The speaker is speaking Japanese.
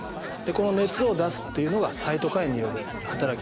この熱を出すっていうのがサイトカインによる働きなんですね。